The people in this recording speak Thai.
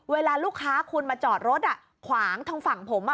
เวลาลูกค้าคุณมาจอดรถขวางทางฝั่งผม